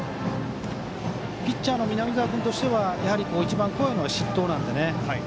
ピッチャーの南澤君としては一番怖いのは失投なので。